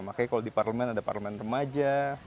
makanya kalau di parlemen ada parlemen remaja